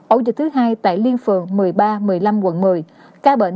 ổ dịch thứ hai tại liên phường một mươi ba một mươi năm quận một mươi